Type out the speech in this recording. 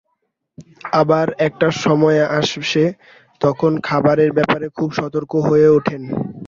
আবার একটা সময় আসে, যখন খাবারের ব্যাপারে খুবই সতর্ক হয়ে ওঠেন।